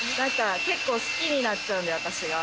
結構好きになっちゃうんで、私が。